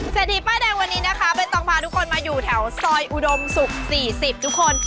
เศรษฐีป้ายแดงวันนี้นะคะใบตองพาทุกคนมาอยู่แถวซอยอุดมศุกร์๔๐ทุกคน